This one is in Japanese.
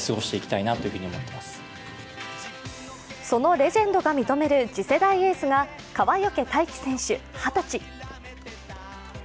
そのレジェンドが認める次世代エースが川除大輝選手、２０歳。